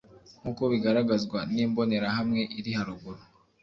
nk’uko bigaragazwa n imbonerahamwe iri haruguru